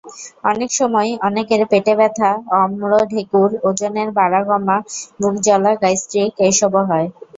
অনেক সময় অনেকের পেটে ব্যথা, অম্লঢেকুর, ওজনের বাড়া-কম, বুকজ্বলা, গ্যাস্ট্রাইটিস এসবও হয়।